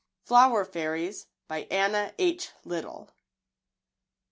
FLOWER FAIRIES. BY ANNA H. LITTELL.